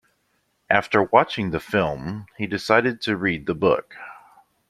After watching the film, he decided to read the book.